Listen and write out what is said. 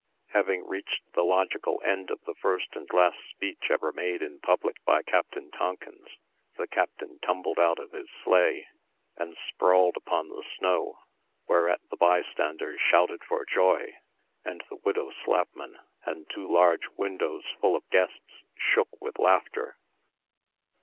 Having reached the logical end of the first and last speech ever made in public by Captain Tonkins, the Captain tumbled out of his sleigh, and sprawled upon the snow; whereat the bystanders shouted for joy, and the widow Slapman and two large windows full of guests shook with laughter.